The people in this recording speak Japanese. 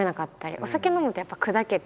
お酒飲むとやっぱりくだけて。